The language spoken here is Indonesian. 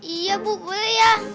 iya bu boleh ya